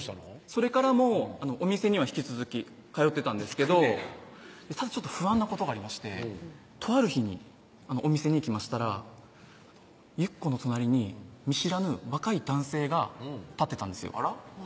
それからもお店には引き続き通ってたんですけどただちょっと不安なことがありましてとある日にお店に行きましたらゆっこの隣に見知らぬ若い男性が立ってたんですよあら？